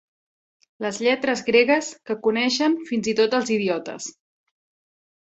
Les lletres gregues que coneixen fins i tot els idiotes.